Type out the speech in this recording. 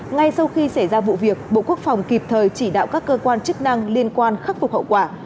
ngay sau khi xảy ra vụ việc bộ quốc phòng kịp thời chỉ đạo các cơ quan chức năng liên quan khắc phục hậu quả